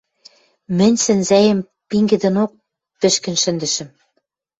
Мӹнь сӹнзӓэм пингӹдӹнок пӹшкӹн шӹндӹшӹм.